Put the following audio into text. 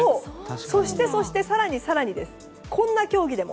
そして、そして更にこんな競技でも。